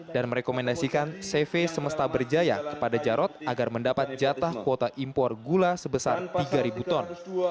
dan merekomendasikan cv semesta berjaya kepada jarod agar mendapat jatah kuota impor gula sebesar tiga ton